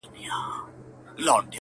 o هغه د خلکو له نظره پټه ساتل کيږي هلته,